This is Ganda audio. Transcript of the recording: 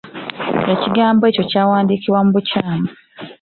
Ekigambo ekyo kyawandiikibwa mu bukyamu.